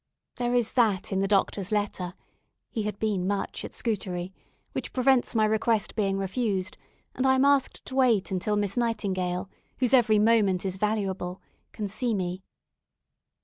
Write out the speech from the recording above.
There is that in the Doctor's letter (he had been much at Scutari) which prevents my request being refused, and I am asked to wait until Miss Nightingale, whose every moment is valuable, can see me.